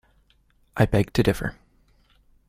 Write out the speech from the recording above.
I beg to differ